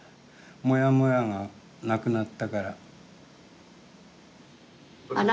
もやもやがなくなったから。